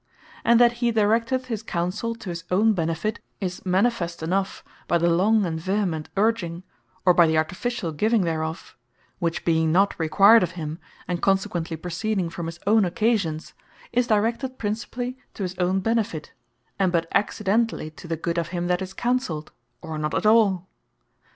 And that he directeth his Counsell to his own benefit, is manifest enough, by the long and vehement urging, or by the artificial giving thereof; which being not required of him, and consequently proceeding from his own occasions, is directed principally to his own benefit, and but accidentarily to the good of him that is Counselled, or not at all.